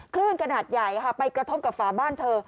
คลื่นขนาดใหญ่ไปกระทบกับฝาบ้านเธอ